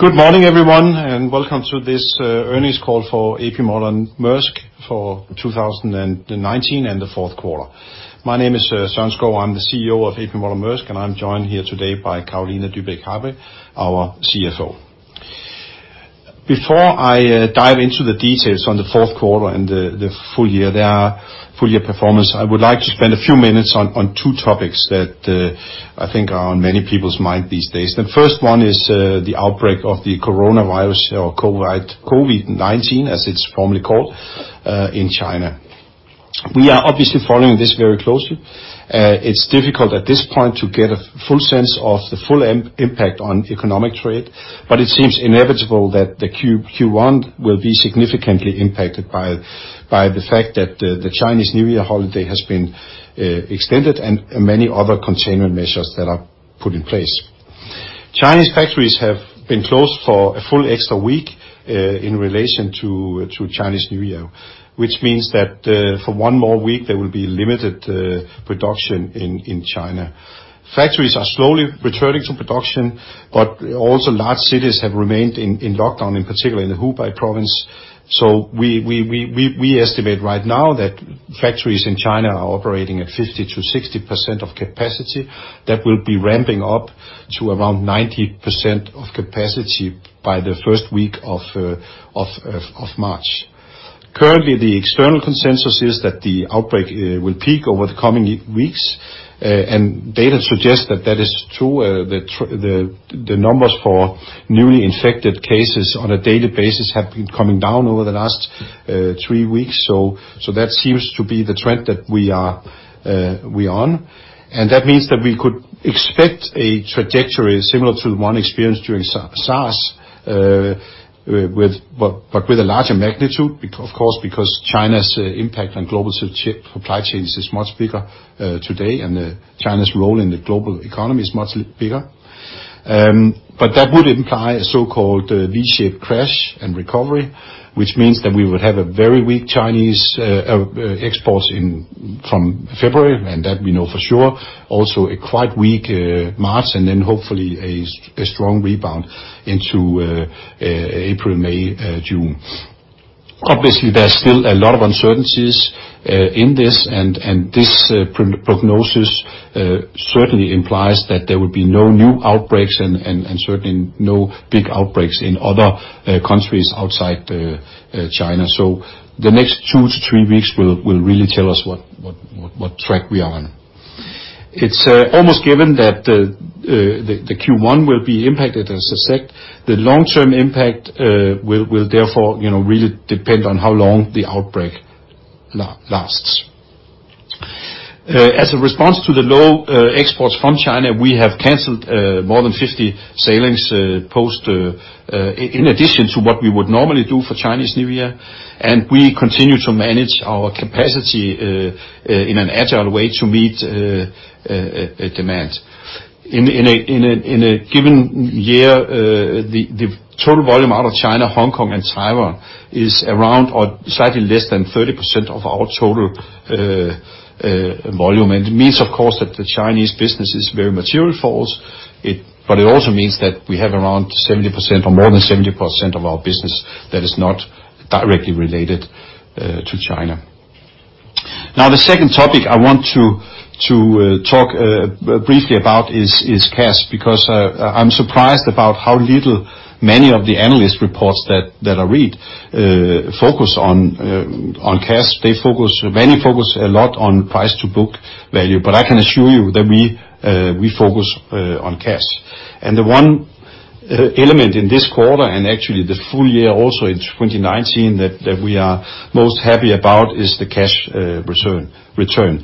Good morning, everyone, and welcome to this earnings call for A.P. Moller - Maersk for 2019 and the fourth quarter. My name is Søren Skou. I'm the CEO of A.P. Moller - Maersk, and I'm joined here today by Carolina Dybeck Happe, our CFO. Before I dive into the details on the fourth quarter and the full year performance, I would like to spend a few minutes on two topics that I think are on many people's mind these days. The first one is the outbreak of the coronavirus or COVID-19, as it's formally called, in China. We are obviously following this very closely. It's difficult at this point to get a full sense of the full impact on economic trade, but it seems inevitable that the Q1 will be significantly impacted by the fact that the Chinese New Year holiday has been extended and many other containment measures that are put in place. Chinese factories have been closed for a full extra week in relation to Chinese New Year, which means that for one more week, there will be limited production in China. Factories are slowly returning to production, but also large cities have remained in lockdown, in particular in the Hubei province. We estimate right now that factories in China are operating at 50% to 60% of capacity. That will be ramping up to around 90% of capacity by the first week of March. Currently, the external consensus is that the outbreak will peak over the coming weeks, and data suggests that is true. The numbers for newly infected cases on a daily basis have been coming down over the last three weeks. That seems to be the trend that we are on. That means that we could expect a trajectory similar to the one experienced during SARS, with a larger magnitude, of course, because China's impact on global supply chains is much bigger today, and China's role in the global economy is much bigger. That would imply a so-called V-shaped crash and recovery, which means that we would have a very weak Chinese exports from February, and that we know for sure. Also a quite weak March, then hopefully a strong rebound into April, May, June. Obviously, there is still a lot of uncertainties in this, and this prognosis certainly implies that there will be no new outbreaks and certainly no big outbreaks in other countries outside China. The next two to three weeks will really tell us what track we are on. It is almost given that the Q1 will be impacted, as I said. The long-term impact will therefore really depend on how long the outbreak lasts. As a response to the low exports from China, we have canceled more than 50 sailings in addition to what we would normally do for Chinese New Year, and we continue to manage our capacity in an agile way to meet demand. In a given year, the total volume out of China, Hong Kong, and Taiwan is around or slightly less than 30% of our total volume. It means, of course, that the Chinese business is very material for us, but it also means that we have around 70% or more than 70% of our business that is not directly related to China. Now, the second topic I want to talk briefly about is cash, because I'm surprised about how little many of the analyst reports that I read focus on cash. Many focus a lot on price to book value, I can assure you that we focus on cash. The one element in this quarter, and actually the full year also in 2019 that we are most happy about, is the cash return.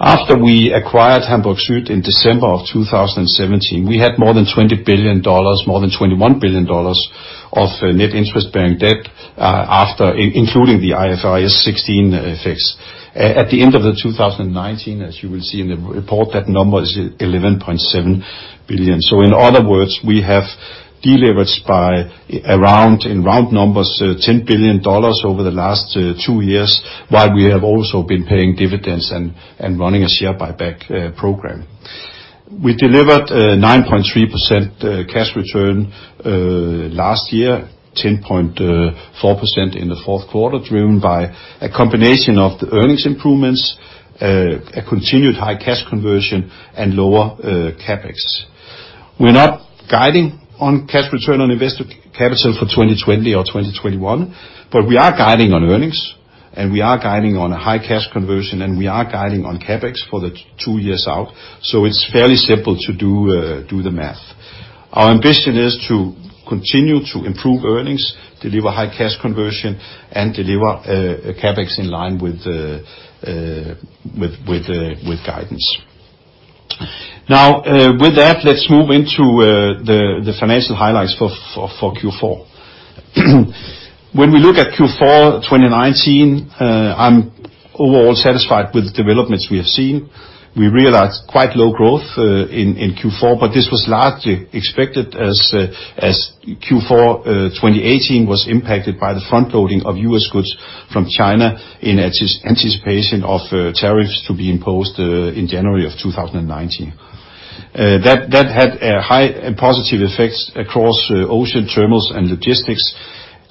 After we acquired Hamburg Süd in December of 2017, we had more than $21 billion of net interest-bearing debt, including the IFRS 16 effects. At the end of the 2019, as you will see in the report, that number is $11.7 billion. In other words, we have de-leveraged by around, in round numbers, $10 billion over the last two years, while we have also been paying dividends and running a share buyback program. We delivered 9.3% cash return last year, 10.4% in the fourth quarter, driven by a combination of the earnings improvements, a continued high cash conversion, and lower CapEx. We're not guiding on cash return on invested capital for 2020 or 2021, we are guiding on earnings, we are guiding on a high cash conversion, and we are guiding on CapEx for the two years out. It's fairly simple to do the math. Our ambition is to continue to improve earnings, deliver high cash conversion, and deliver CapEx in line with guidance. With that, let's move into the financial highlights for Q4. When we look at Q4 2019, overall satisfied with the developments we have seen. We realized quite low growth in Q4, this was largely expected as Q4 2018 was impacted by the front-loading of U.S. goods from China in anticipation of tariffs to be imposed in January of 2019. That had a high positive effects across Ocean, Terminals, and Logistics.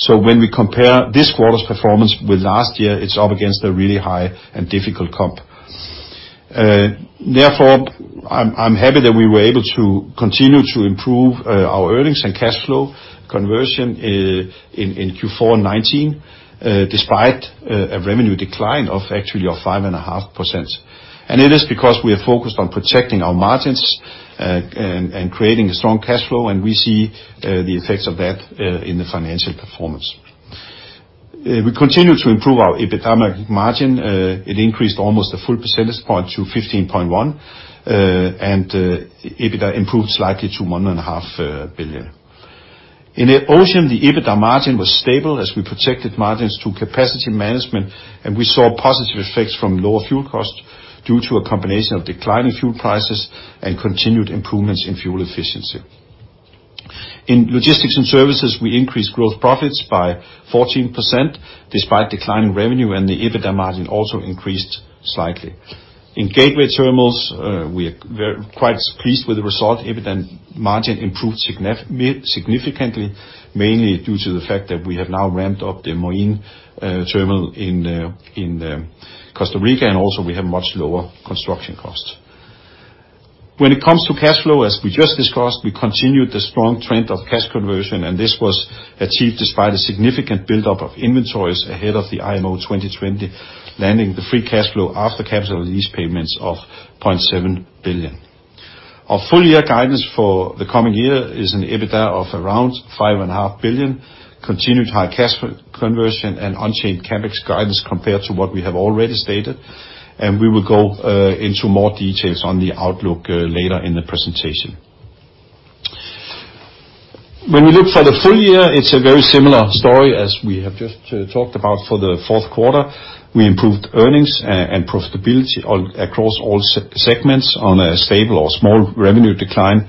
When we compare this quarter's performance with last year, it's up against a really high and difficult comp. I'm happy that we were able to continue to improve our earnings and cash flow conversion in Q4 2019, despite a revenue decline of actually of 5.5%. It is because we are focused on protecting our margins and creating a strong cash flow, and we see the effects of that in the financial performance. We continue to improve our EBITDA margin. It increased almost a full percentage point to 15.1, and EBITDA improved slightly to $1.5 billion. In Ocean, the EBITDA margin was stable as we protected margins through capacity management, and we saw positive effects from lower fuel costs due to a combination of declining fuel prices and continued improvements in fuel efficiency. In Logistics & Services, we increased growth profits by 14%, despite declining revenue, and the EBITDA margin also increased slightly. In Gateway Terminals, we're quite pleased with the result. EBITDA margin improved significantly, mainly due to the fact that we have now ramped up the Moín terminal in Costa Rica, and also we have much lower construction costs. When it comes to cash flow, as we just discussed, we continued the strong trend of cash conversion, and this was achieved despite a significant buildup of inventories ahead of the IMO 2020, landing the free cash flow after capital lease payments of $0.7 billion. Our full year guidance for the coming year is an EBITDA of around $5.5 billion, continued high cash conversion, and unchanged CapEx guidance compared to what we have already stated. We will go into more details on the outlook later in the presentation. When we look for the full year, it's a very similar story as we have just talked about for the fourth quarter. We improved earnings and profitability across all segments on a stable or small revenue decline,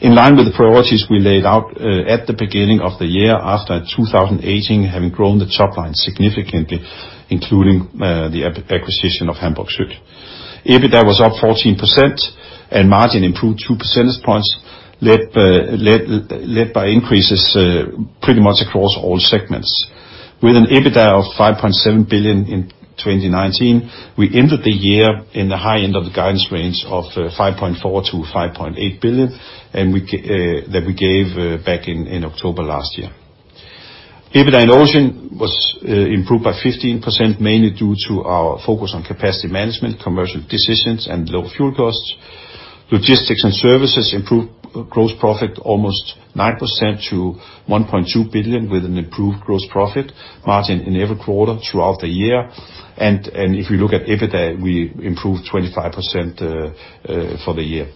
in line with the priorities we laid out at the beginning of the year after 2018, having grown the top line significantly, including the acquisition of Hamburg Süd. EBITDA was up 14%, and margin improved two percentage points, led by increases pretty much across all segments. With an EBITDA of $5.7 billion in 2019, we ended the year in the high end of the guidance range of $5.4 billion to $5.8 billion, that we gave back in October last year. EBITDA in Ocean improved by 15%, mainly due to our focus on capacity management, commercial decisions, and low fuel costs. Logistics & Services improved gross profit almost 9% to $1.2 billion, with an improved gross profit margin in every quarter throughout the year. If you look at EBITDA, we improved 25% for the year.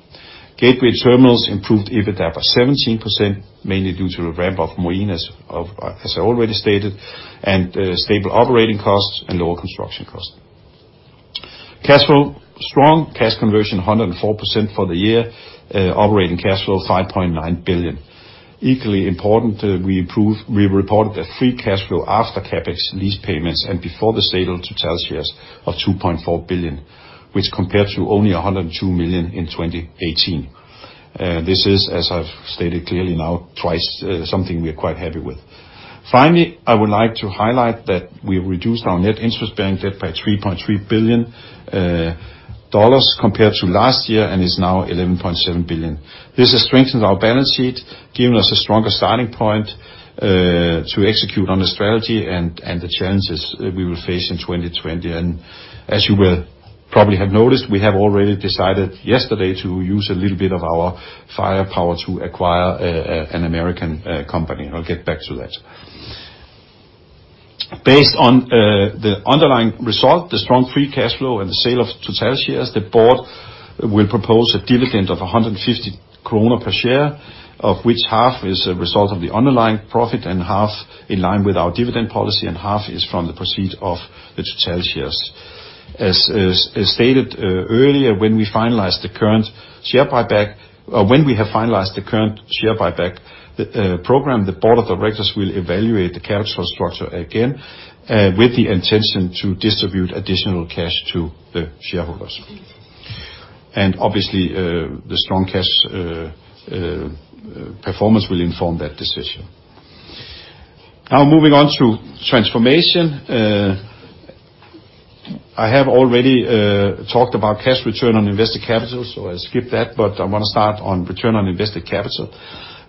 Gateway Terminals improved EBITDA by 17%, mainly due to the ramp-up of Moín, as I already stated, and stable operating costs and lower construction costs. Cash flow. Strong cash conversion, 104% for the year. Operating cash flow $5.9 billion. Equally important, we reported a free cash flow after CapEx lease payments and before the sale to Total shares of $2.4 billion, which compared to only $102 million in 2018. This is, as I've stated clearly now twice, something we're quite happy with. Finally, I would like to highlight that we have reduced our net interest-bearing debt by $3.3 billion compared to last year and is now $11.7 billion. This has strengthened our balance sheet, given us a stronger starting point to execute on the strategy, and the challenges we will face in 2020. As you will probably have noticed, we have already decided yesterday to use a little bit of our firepower to acquire an American company, and I will get back to that. Based on the underlying result, the strong free cash flow, and the sale of Total shares, the board will propose a dividend of 150 kroner per share, of which half is a result of the underlying profit and half in line with our dividend policy and half is from the proceeds of the Total shares. As stated earlier, when we have finalized the current share buyback program, the board of directors will evaluate the capital structure again, with the intention to distribute additional cash to the shareholders. Obviously, the strong cash performance will inform that decision. Now, moving on to transformation. I have already talked about cash return on invested capital, so I'll skip that, but I want to start on return on invested capital.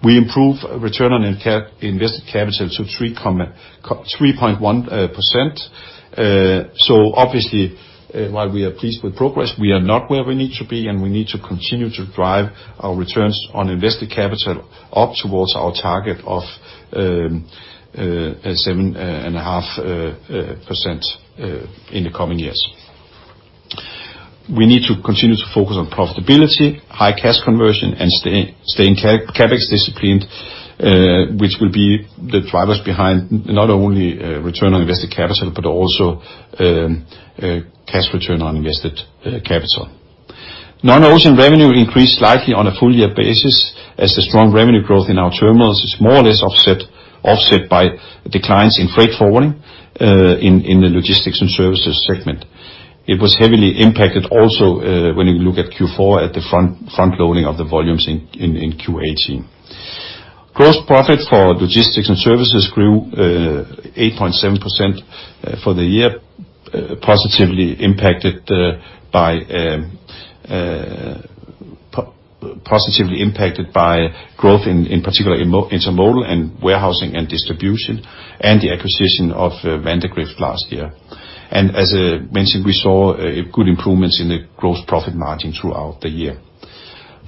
We improved return on invested capital to 3.1%. Obviously, while we are pleased with progress, we are not where we need to be, and we need to continue to drive our returns on invested capital up towards our target of 7.5% in the coming years. We need to continue to focus on profitability, high cash conversion, and staying CapEx disciplined, which will be the drivers behind not only return on invested capital, but also cash return on invested capital. Non-Ocean revenue increased slightly on a full-year basis, as the strong revenue growth in our terminals is more or less offset by declines in freight forwarding in the Logistics & Services segment. It was heavily impacted also when you look at Q4 at the front-loading of the volumes in Q4 2018. Gross profit for Logistics & Services grew 8.7% for the year, positively impacted by growth in particular intermodal and warehousing and distribution, and the acquisition of Vandegrift last year. As I mentioned, we saw good improvements in the gross profit margin throughout the year.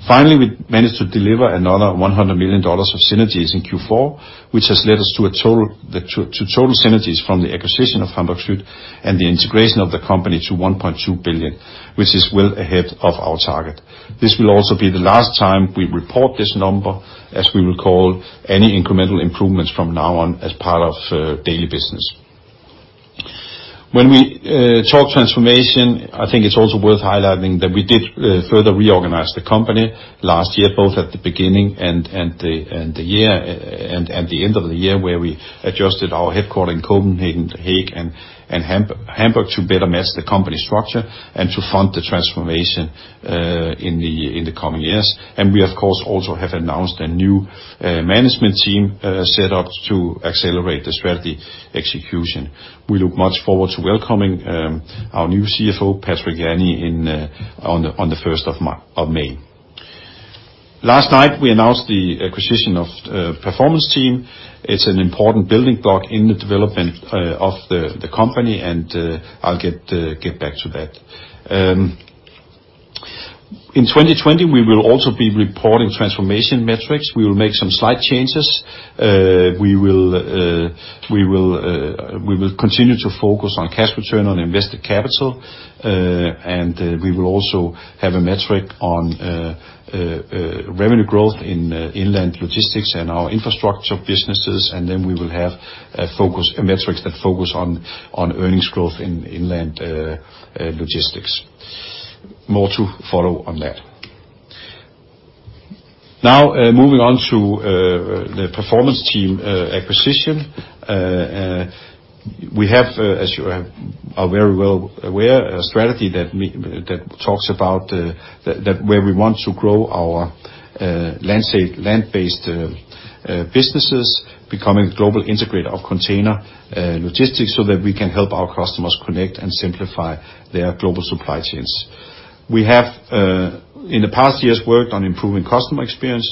Finally, we managed to deliver another $100 million of synergies in Q4, which has led us to total synergies from the acquisition of Hamburg Süd and the integration of the company to $1.2 billion, which is well ahead of our target. This will also be the last time we report this number, as we will call any incremental improvements from now on as part of daily business. When we talk transformation, I think it's also worth highlighting that we did further reorganize the company last year, both at the beginning and the end of the year, where we adjusted our headquarter in Copenhagen, The Hague, and Hamburg to better match the company structure and to fund the transformation in the coming years. We, of course, also have announced a new management team set up to accelerate the strategy execution. We look much forward to welcoming our new CFO, Patrick Jany, on the 1 of May. Last night, we announced the acquisition of Performance Team. It's an important building block in the development of the company, and I'll get back to that. In 2020, we will also be reporting transformation metrics. We will make some slight changes. We will continue to focus on cash return on invested capital. We will also have a metric on revenue growth in inland logistics and our infrastructure businesses, and then we will have metrics that focus on earnings growth in inland logistics. More to follow on that. Now, moving on to the Performance Team acquisition. We have, as you are very well aware, a strategy where we want to grow our land-based businesses, becoming a global integrator of container logistics so that we can help our customers connect and simplify their global supply chains. We have, in the past years, worked on improving customer experience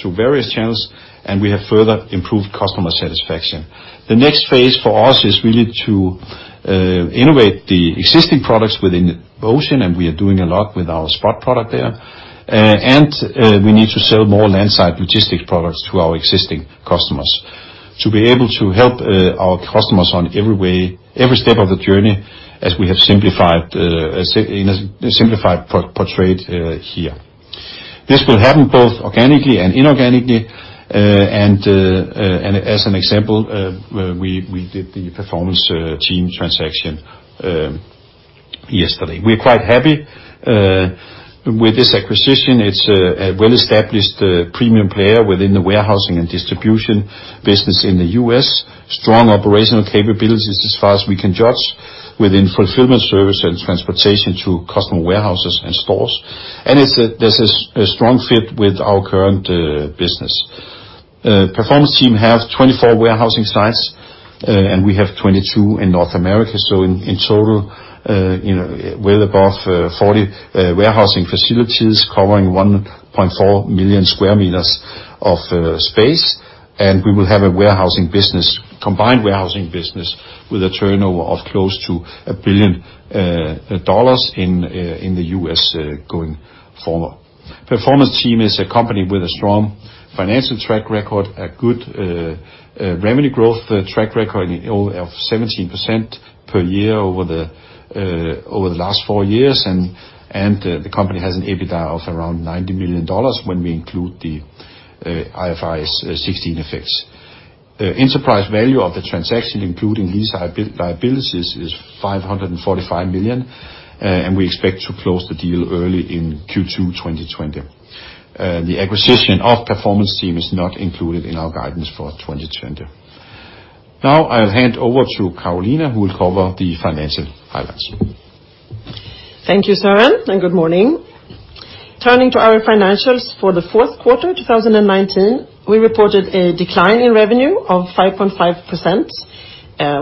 through various channels, and we have further improved customer satisfaction. The next phase for us is really to innovate the existing products within the Ocean, and we are doing a lot with our spot product there. We need to sell more landside logistics products to our existing customers to be able to help our customers on every step of the journey, as we have simplified portrayed here. This will happen both organically and inorganically, and as an example, we did the Performance Team transaction yesterday. We're quite happy with this acquisition. It's a well-established premium player within the warehousing and distribution business in the U.S. Strong operational capabilities as far as we can judge within fulfillment service and transportation through customer warehouses and stores. There's a strong fit with our current business. Performance Team have 24 warehousing sites, and we have 22 in North America. In total, well above 40 warehousing facilities covering 1.4 million sq m of space. We will have a combined warehousing business with a turnover of close to $1 billion in the U.S. going forward. Performance Team is a company with a strong financial track record, a good revenue growth track record of 17% per year over the last four years, and the company has an EBITDA of around $90 million when we include the IFRS 16 effects. Enterprise value of the transaction, including lease liabilities, is $545 million, and we expect to close the deal early in Q2 2020. The acquisition of Performance Team is not included in our guidance for 2020. Now, I will hand over to Carolina, who will cover the financial highlights. Thank you, Søren. Good morning. Turning to our financials for the fourth quarter 2019, we reported a decline in revenue of 5.5%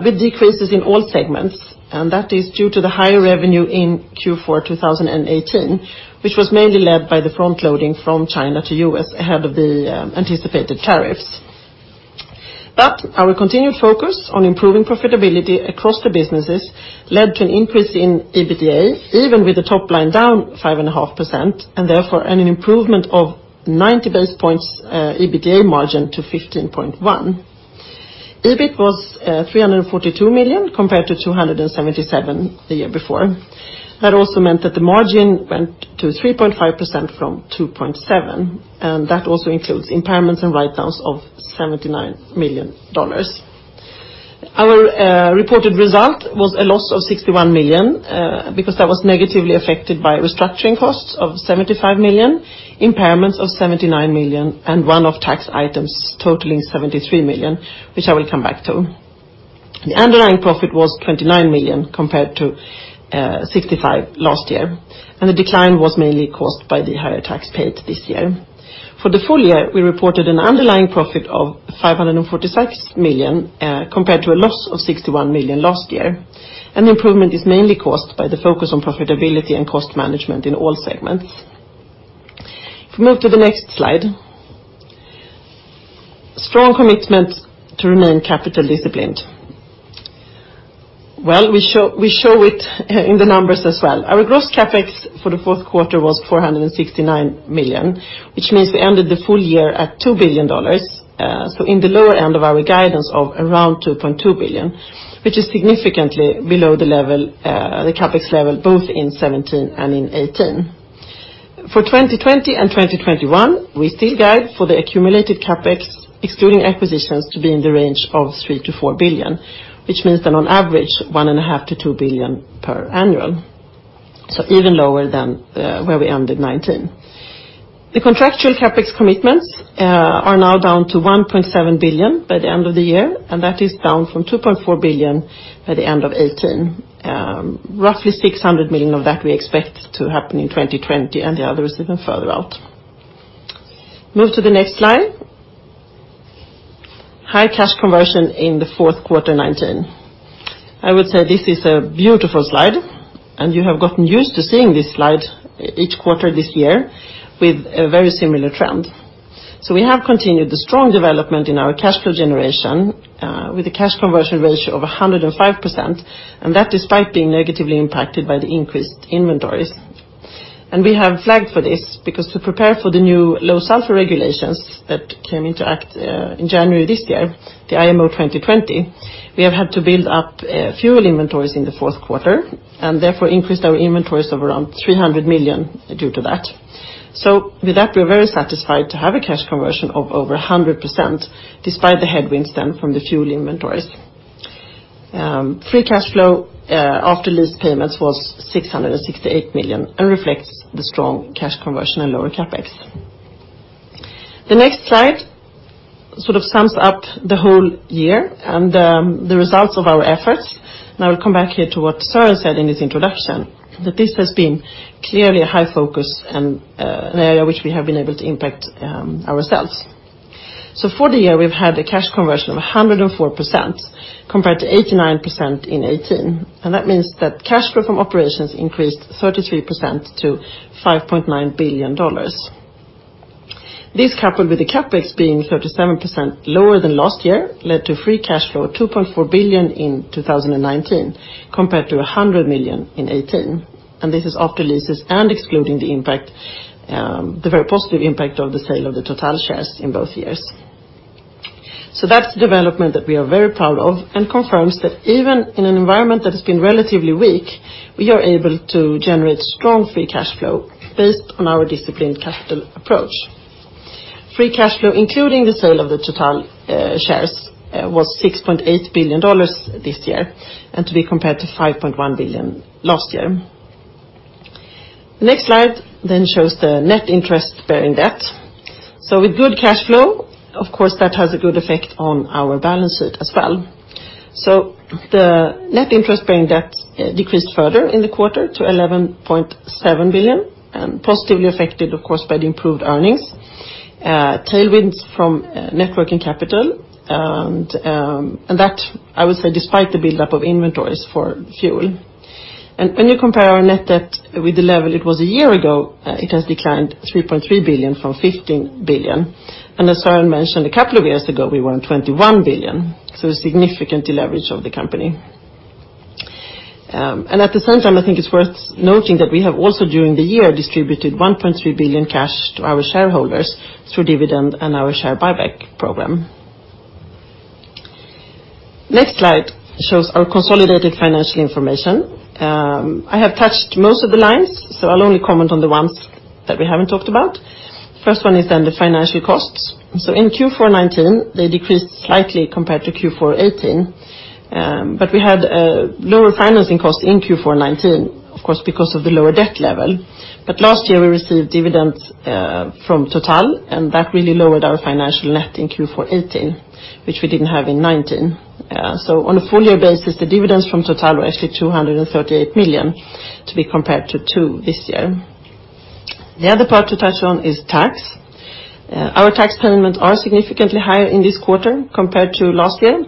with decreases in all segments, and that is due to the higher revenue in Q4 2018, which was mainly led by the front-loading from China to U.S. ahead of the anticipated tariffs. Our continued focus on improving profitability across the businesses led to an increase in EBITDA, even with the top line down 5.5%, and therefore, an improvement of 90 basis points EBITDA margin to 15.1%. EBITDA was $342 million compared to $277 million the year before. That also meant that the margin went to 3.5% from 2.7%, and that also includes impairments and write-downs of $79 million. Our reported result was a loss of $61 million because that was negatively affected by restructuring costs of $75 million, impairments of $79 million, and one-off tax items totaling $73 million, which I will come back to. The underlying profit was $29 million compared to $65 million last year. The decline was mainly caused by the higher tax paid this year. For the full year, we reported an underlying profit of $546 million compared to a loss of $61 million last year. The improvement is mainly caused by the focus on profitability and cost management in all segments. If we move to the next slide. Strong commitment to remain capital disciplined. Well, we show it in the numbers as well. Our gross CapEx for the fourth quarter was $469 million, which means we ended the full year at $2 billion. In the lower end of our guidance of around $2.2 billion, which is significantly below the CapEx level, both in 2017 and in 2018. For 2020 and 2021, we still guide for the accumulated CapEx, excluding acquisitions, to be in the range of $3 billion to $4 billion, which means that on average, $1.5 billion to $2 billion per annum. Even lower than where we ended 2019. The contractual CapEx commitments are now down to $1.7 billion by the end of the year, and that is down from $2.4 billion by the end of 2018. Roughly $600 million of that we expect to happen in 2020, and the other is even further out. Move to the next slide. High cash conversion in the fourth quarter 2019. I would say this is a beautiful slide, and you have gotten used to seeing this slide each quarter this year with a very similar trend. We have continued the strong development in our cash flow generation with a cash conversion ratio of 105%, and that despite being negatively impacted by the increased inventories. We have flagged for this because to prepare for the new low sulfur regulations that came into act in January this year, the IMO 2020, we have had to build up fuel inventories in the fourth quarter and therefore increased our inventories of around $300 million due to that. With that, we're very satisfied to have a cash conversion of over 100%, despite the headwinds then from the fuel inventories. Free cash flow after lease payments was $668 million and reflects the strong cash conversion and lower CapEx. The next slide sort of sums up the whole year and the results of our efforts. I will come back here to what Søren said in his introduction, that this has been clearly a high focus and an area which we have been able to impact ourselves. For the year, we've had a cash conversion of 104% compared to 89% in 2018. That means that cash flow from operations increased 33% to $5.9 billion. This, coupled with the CapEx being 37% lower than last year, led to free cash flow of $2.4 billion in 2019, compared to $100 million in 2018. This is after leases and excluding the very positive impact of the sale of the Total shares in both years. That's the development that we are very proud of and confirms that even in an environment that has been relatively weak, we are able to generate strong free cash flow based on our disciplined capital approach. Free cash flow, including the sale of the Total shares, was $6.8 billion this year, and to be compared to $5.1 billion last year. The next slide then shows the net interest bearing debt. With good cash flow, of course, that has a good effect on our balance sheet as well. The net interest bearing debt decreased further in the quarter to $11.7 billion and positively affected, of course, by the improved earnings. Tailwinds from net working capital, and that, I would say, despite the buildup of inventories for fuel. When you compare our net debt with the level it was a year ago, it has declined $3.3 billion from $15 billion. As Søren mentioned, a couple of years ago, we were on $21 billion, so a significant deleverage of the company. At the same time, I think it's worth noting that we have also during the year distributed $1.3 billion cash to our shareholders through dividend and our share buyback program. Next slide shows our consolidated financial information. I have touched most of the lines, so I'll only comment on the ones that we haven't talked about. First one is the financial costs. In Q4 2019, they decreased slightly compared to Q4 2018. We had lower financing costs in Q4 2019, of course, because of the lower debt level. Last year, we received dividends from Total, and that really lowered our financial net in Q4 2018, which we didn't have in 2019. On a full year basis, the dividends from Total were actually $238 million to be compared to $2 million this year. The other part to touch on is tax. Our tax payments are significantly higher in this quarter compared to last year,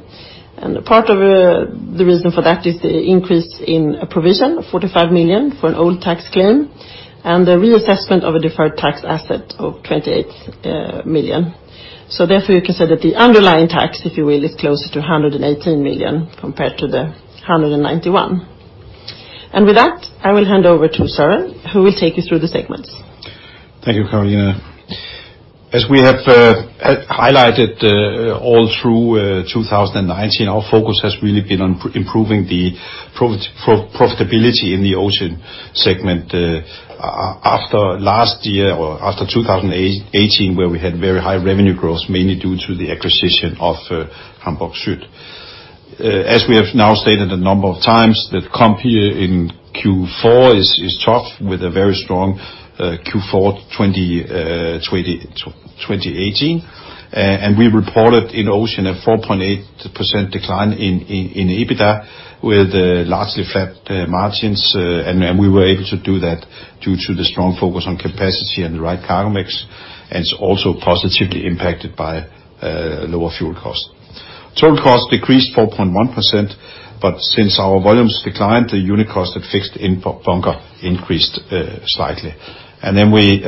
and part of the reason for that is the increase in a provision of $45 million for an old tax claim and the reassessment of a deferred tax asset of $28 million. Therefore, you can say that the underlying tax, if you will, is closer to $118 million compared to the $191 million. With that, I will hand over to Søren, who will take you through the segments. Thank you, Carolina. As we have highlighted all through 2019, our focus has really been on improving the profitability in the Ocean segment. After last year, or after 2018, where we had very high revenue growth, mainly due to the acquisition of Hamburg Süd. As we have now stated a number of times, the comp year in Q4 is tough, with a very strong Q4 2018. We reported in Ocean a 4.8% decline in EBITDA with largely flat margins, and we were able to do that due to the strong focus on capacity and the right cargo mix, and it's also positively impacted by lower fuel costs. Total costs decreased 4.1%, but since our volumes declined, the unit cost of fixed in bunker increased slightly. We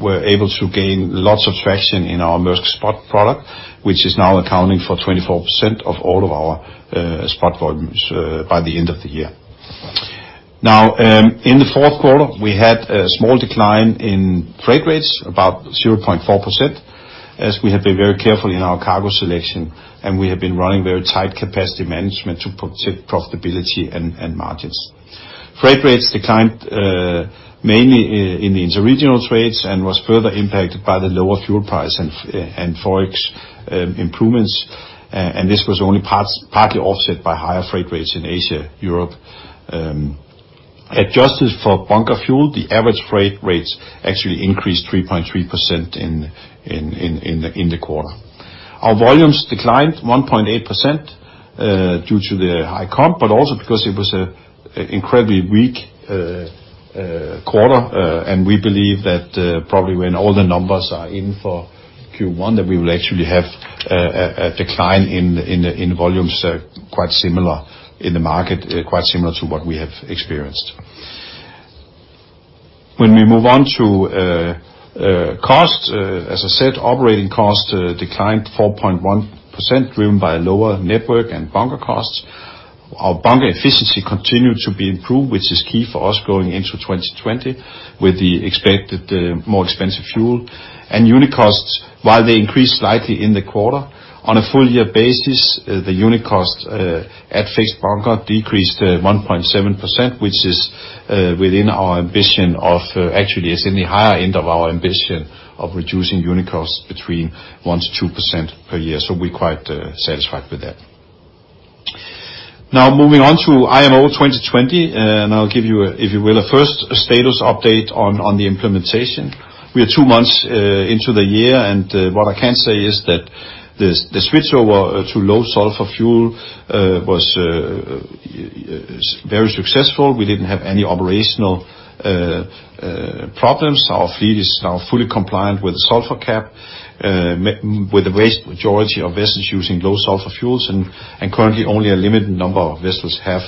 were able to gain lots of traction in our Maersk Spot product, which is now accounting for 24% of all of our spot volumes by the end of the year. In the fourth quarter, we had a small decline in freight rates, about 0.4%, as we have been very careful in our cargo selection, and we have been running very tight capacity management to protect profitability and margins. Freight rates declined mainly in the interregional trades and was further impacted by the lower fuel price and Forex improvements, and this was only partly offset by higher freight rates in Asia, Europe. Adjusted for bunker fuel, the average freight rates actually increased 3.3% in the quarter. Our volumes declined 1.8% due to the high comp, but also because it was an incredibly weak quarter, and we believe that probably when all the numbers are in for Q1, that we will actually have a decline in volumes quite similar in the market, quite similar to what we have experienced. When we move on to costs, as I said, operating costs declined 4.1%, driven by lower network and bunker costs. Our bunker efficiency continued to be improved, which is key for us going into 2020 with the expected more expensive fuel. Unit costs, while they increased slightly in the quarter, on a full-year basis, the unit cost at fixed bunker decreased 1.7%, which is within our ambition of, actually is in the higher end of our ambition of reducing unit costs between 1% to 2% per year. We're quite satisfied with that. Moving on to IMO 2020, I'll give you, if you will, a first status update on the implementation. We are two months into the year, what I can say is that the switchover to low sulfur fuel was very successful. We didn't have any operational problems. Our fleet is now fully compliant with the sulfur cap, with the vast majority of vessels using low sulfur fuels, currently only a limited number of vessels have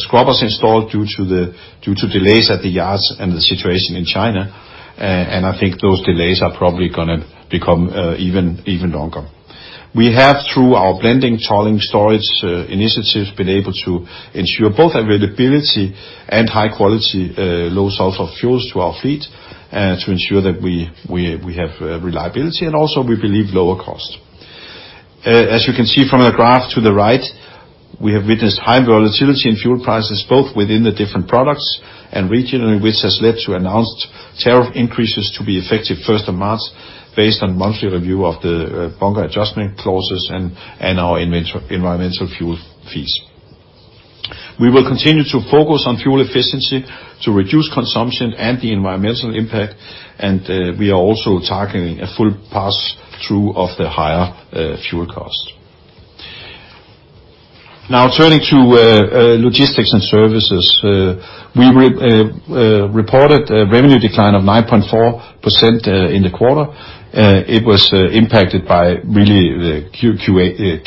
scrubbers installed due to delays at the yards and the situation in China, I think those delays are probably going to become even longer. We have, through our blending, chartering, storage initiatives, been able to ensure both availability and high quality low sulfur fuels to our fleet to ensure that we have reliability and also, we believe, lower cost. As you can see from the graph to the right, we have witnessed high volatility in fuel prices, both within the different products and regionally, which has led to announced tariff increases to be effective 1 of March based on monthly review of the bunker adjustment clauses and our environmental fuel fees. We will continue to focus on fuel efficiency to reduce consumption and the environmental impact. We are also targeting a full pass-through of the higher fuel cost. Now turning to Logistics & Services. We reported a revenue decline of 9.4% in the quarter. It was impacted by really the Q4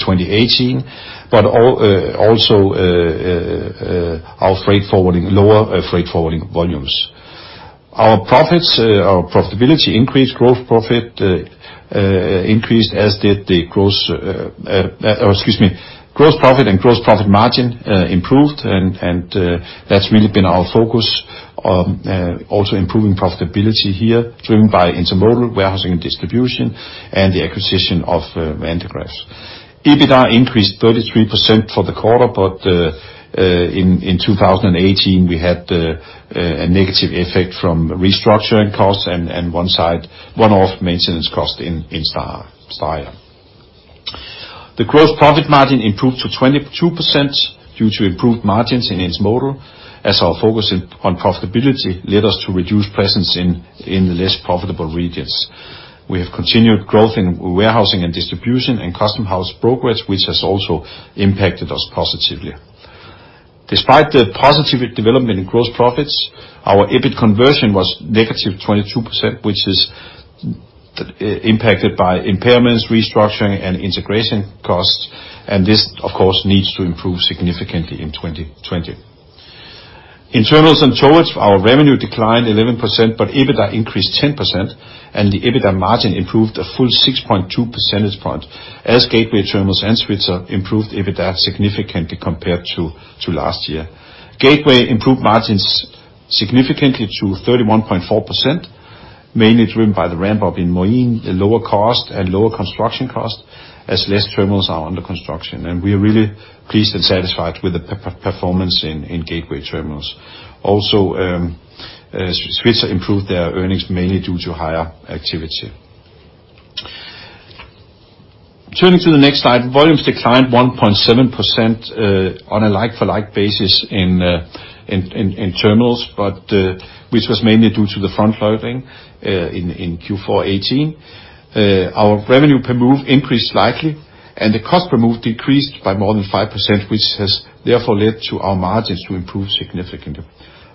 2018, also our lower freight forwarding volumes. Our profits, our profitability increased. Gross profit increased, or excuse me, gross profit and gross profit margin improved. That's really been our focus on also improving profitability here, driven by intermodal warehousing and distribution and the acquisition of Vandegrift. EBITDA increased 33% for the quarter. In 2018, we had a negative effect from restructuring costs and one-off maintenance costs in Stowage. The gross profit margin improved to 22% due to improved margins in intermodal as our focus on profitability led us to reduce presence in the less profitable regions. We have continued growth in warehousing and distribution and customs house brokerage, which has also impacted us positively. Despite the positive development in gross profits, our EBIT conversion was -22%, which is impacted by impairments, restructuring, and integration costs, and this, of course, needs to improve significantly in 2020. In terminals and towage, our revenue declined 11%, but EBITDA increased 10% and the EBITDA margin improved a full 6.2 percentage points as Gateway Terminals and Svitzer improved EBITDA significantly compared to last year. Gateway improved margins significantly to 31.4%, mainly driven by the ramp-up in Moín, the lower cost and lower construction cost as less terminals are under construction. We are really pleased and satisfied with the performance in Gateway Terminals. Also, Svitzer improved their earnings mainly due to higher activity. Turning to the next slide. Volumes declined 1.7% on a like-for-like basis in terminals, which was mainly due to the front-loading in Q4 2018. Our revenue per move increased slightly, and the cost per move decreased by more than 5%, which has therefore led to our margins to improve significantly.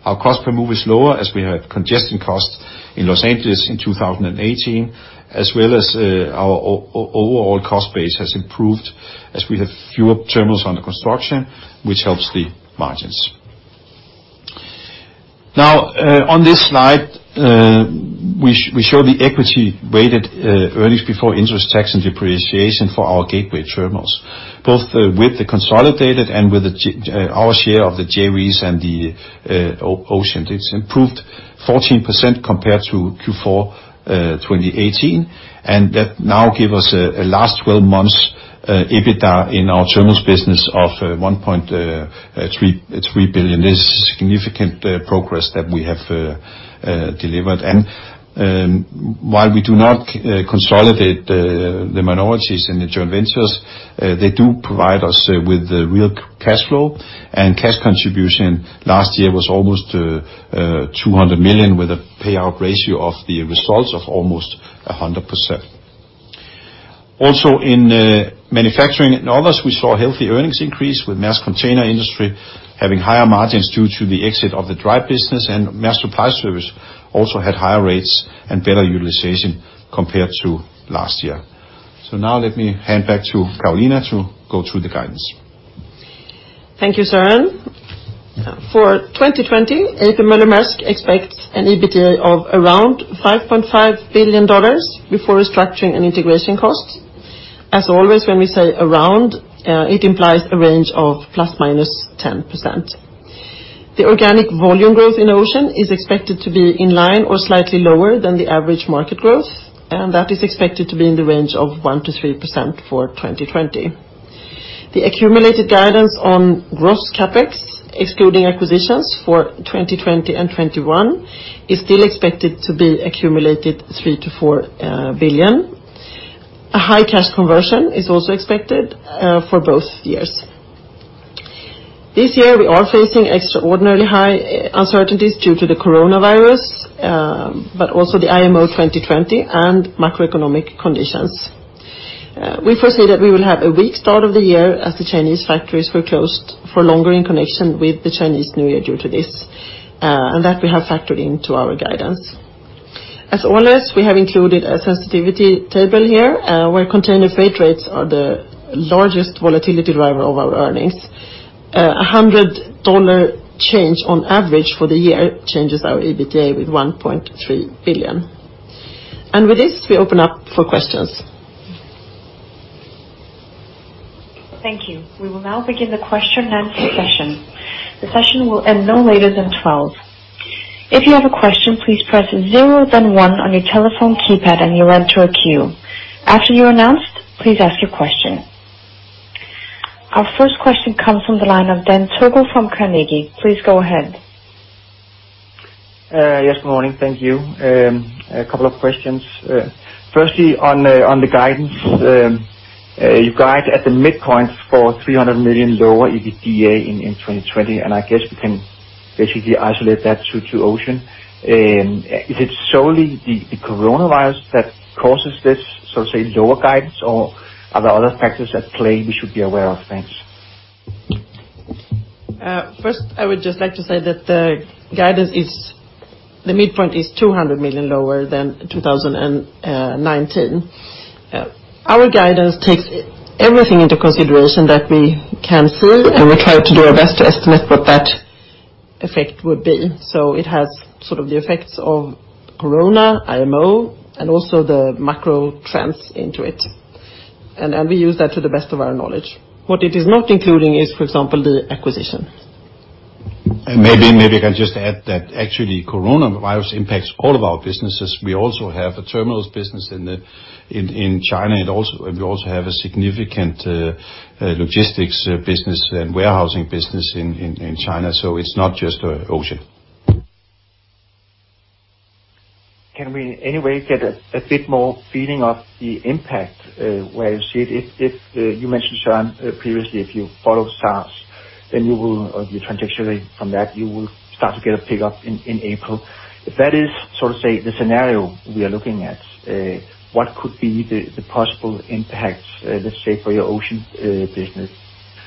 Our cost per move is lower as we had congestion costs in Los Angeles in 2018, as well as our overall cost base has improved as we have fewer terminals under construction, which helps the margins. On this slide, we show the equity-weighted earnings before interest, tax and depreciation for our Gateway Terminals, both with the consolidated and with our share of the JVs and the Ocean. It's improved 14% compared to Q4 2018. That now give us a last 12 months EBITDA in our terminals business of $1.3 billion. This is significant progress that we have delivered. While we do not consolidate the minorities in the joint ventures, they do provide us with real cash flow, and cash contribution last year was almost $200 million with a payout ratio of the results of almost 100%. Also, in manufacturing and others, we saw healthy earnings increase with Maersk Container Industry having higher margins due to the exit of the dry business and Maersk Supply Service also had higher rates and better utilization compared to last year. Now let me hand back to Carolina to go through the guidance. Thank you, Søren. For 2020, A.P. Moller - Maersk expects an EBITDA of around $5.5 billion before restructuring and integration costs. As always, when we say around, it implies a range of plus or minus 10%. The organic volume growth in Ocean is expected to be in line or slightly lower than the average market growth, and that is expected to be in the range of 1% to 3% for 2020. The accumulated guidance on gross CapEx, excluding acquisitions for 2020 and 2021, is still expected to be accumulated $3 billion to $4 billion. A high cash conversion is also expected for both years. This year, we are facing extraordinarily high uncertainties due to the coronavirus, but also the IMO 2020 and macroeconomic conditions. We foresee that we will have a weak start of the year as the Chinese factories were closed for longer in connection with the Chinese New Year due to this, and that we have factored into our guidance. As always, we have included a sensitivity table here, where container freight rates are the largest volatility driver of our earnings. A $100 change on average for the year changes our EBITDA with $1.3 billion. With this, we open up for questions. Thank you. We will now begin the question and answer session. The session will end no later than 12:00. If you have a question, please press zero then one on your telephone keypad and you'll enter a queue. After you're announced, please ask your question. Our first question comes from the line of Dan Togo from Carnegie. Please go ahead. Yes, good morning. Thank you. A couple of questions. Firstly, on the guidance, you guide at the midpoint for $300 million lower EBITDA in 2020, and I guess we can basically isolate that to Ocean. Is it solely the coronavirus that causes this, so to say, lower guidance, or are there other factors at play we should be aware of? Thanks. First, I would just like to say that the midpoint is $200 million lower than 2019. Our guidance takes everything into consideration that we can see, and we try to do our best to estimate what that effect would be. It has sort of the effects of Corona, IMO, and also the macro trends into it. We use that to the best of our knowledge. What it is not including is, for example, the acquisition. Maybe I can just add that actually coronavirus impacts all of our businesses. We also have a Gateway Terminals business in China, and we also have a significant Logistics & Services business and warehousing business in China. It's not just Ocean. Can we in any way get a bit more feeling of the impact, where you see it? You mentioned, Søren, previously, if you follow SARS, then you transition from that, you will start to get a pickup in April. If that is, so to say, the scenario we are looking at, what could be the possible impacts, let's say, for your Ocean business?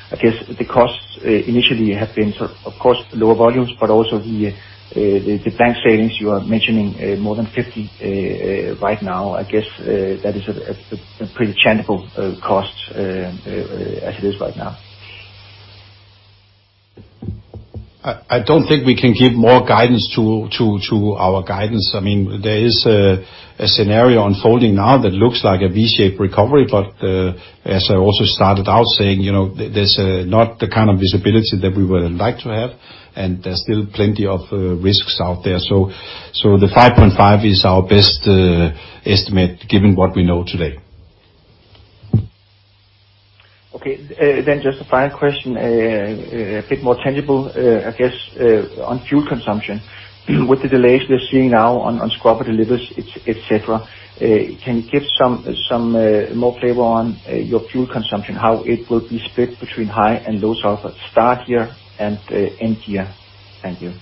I guess the costs initially have been, of course, lower volumes, but also the bunker savings, you are mentioning more than $500 million right now. I guess that is a pretty tangible cost as it is right now. I don't think we can give more guidance to our guidance. There is a scenario unfolding now that looks like a V-shaped recovery, as I also started out saying, there's not the kind of visibility that we would like to have, and there's still plenty of risks out there. The 5.5 is our best estimate given what we know today. Okay. Just the final question, a bit more tangible, I guess, on fuel consumption. With the delays we're seeing now on scrubber deliveries, et cetera, can you give some more flavor on your fuel consumption, how it will be split between high and low sulfur start year and end year? Thank you.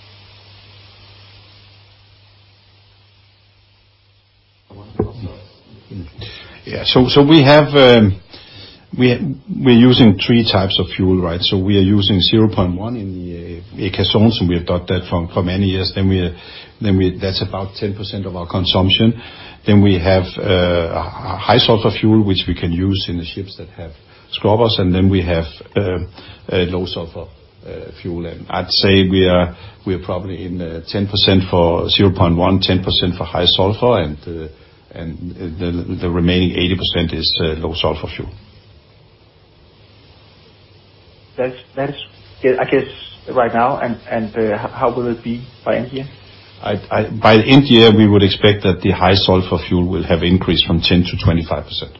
Yeah. We're using three types of fuel. We are using 0.1 in the ECA zones, and we have done that for many years. That's about 10% of our consumption. We have high sulfur fuel, which we can use in the ships that have scrubbers, and we have low sulfur fuel. I'd say we are probably in 10% for 0.1, 10% for high sulfur and the remaining 80% is low sulfur fuel. That is, I guess, right now. How will it be by end year? By end year, we would expect that the high sulfur fuel will have increased from 10% to 25%.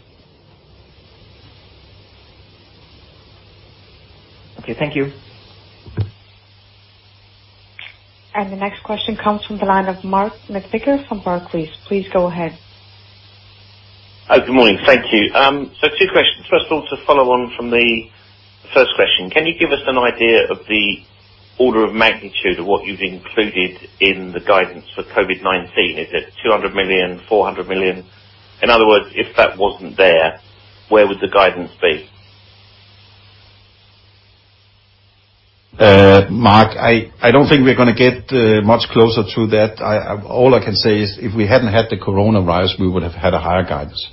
Okay, thank you. The next question comes from the line of Mark McVicar from Barclays. Please go ahead. Good morning. Thank you. Two questions. First of all, to follow on from the first question, can you give us an idea of the order of magnitude of what you've included in the guidance for COVID-19? Is it $200 million, $400 million? In other words, if that wasn't there, where would the guidance be? Mark, I don't think we're going to get much closer to that. All I can say is if we hadn't had the coronavirus, we would have had a higher guidance.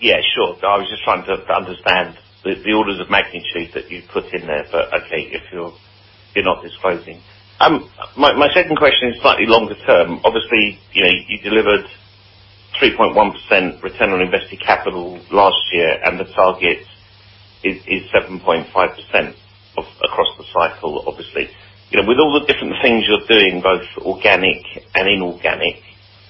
Yeah, sure. I was just trying to understand the orders of magnitude that you put in there, but okay, if you're not disclosing. My second question is slightly longer term. Obviously, you delivered 3.1% Return on Invested Capital last year, and the target is 7.5% across the cycle, obviously. With all the different things you're doing, both organic and inorganic,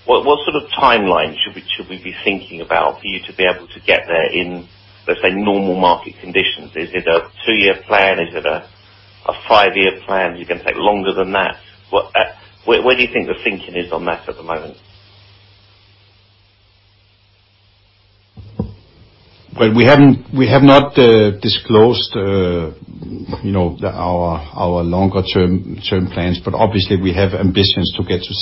what sort of timeline should we be thinking about for you to be able to get there in, let's say, normal market conditions? Is it a two-year plan? Is it a five-year plan? Are you going to take longer than that? Where do you think the thinking is on that at the moment? Well, we have not disclosed our longer-term plans, but obviously, we have ambitions to get to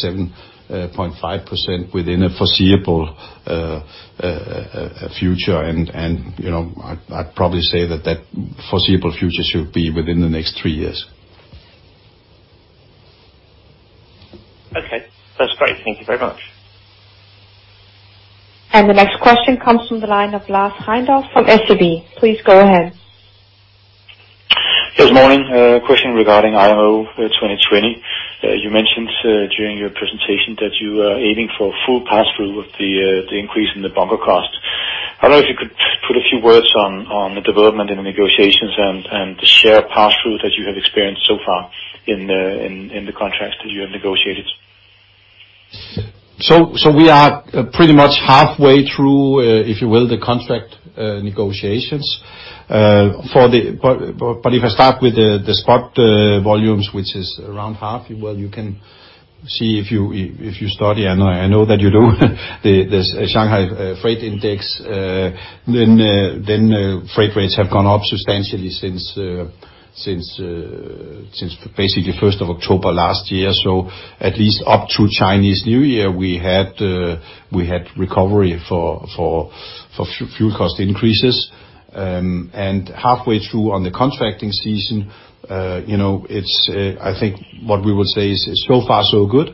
7.5% within a foreseeable future. I'd probably say that foreseeable future should be within the next three years. Okay. That's great. Thank you very much. The next question comes from the line of Lars Heindorff from SEB. Please go ahead. Yes, morning. A question regarding IMO 2020. You mentioned during your presentation that you are aiming for full pass-through with the increase in the bunker cost. I don't know if you could put a few words on the development in the negotiations and the share pass-through that you have experienced so far in the contracts that you have negotiated. We are pretty much halfway through, if you will, the contract negotiations. If I start with the spot volumes, which is around half, you can see if you study, I know that you do, the Shanghai Freight Index, then freight rates have gone up substantially since basically 1 of October last year. At least up to Chinese New Year, we had recovery for fuel cost increases. Halfway through on the contracting season, I think what we would say is so far so good.